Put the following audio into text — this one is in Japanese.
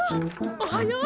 おはよう。